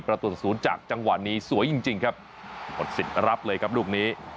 ประตูต่อศูนย์จากจังหวะนี้สวยจริงจริงครับหมดสิทธิ์รับเลยครับลูกนี้